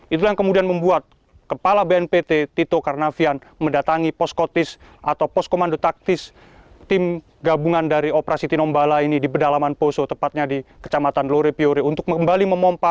itulah yang kemudian membuat kepala bnpt tito karnavian mendatangi polri